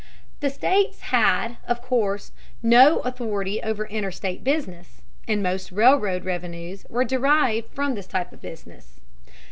The states had, of course, no authority over interstate business, and most railroad revenues were derived from this type of business.